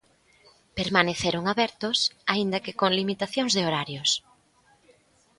Permaneceron abertos, aínda que con limitacións de horarios.